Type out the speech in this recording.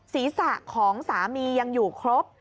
ศีรษะของสามียังอยู่ครบ